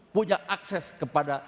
punya akses kepada